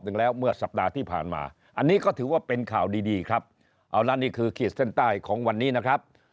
หนึ่งแล้วเมื่อสัปดาห์ที่ผ่านมาอันนี้ก็ถือว่าเป็นข่าวดีดีครับเอาละนี่คือขีดเส้นใต้ของวันนี้นะครับ